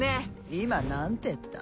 「今何てった？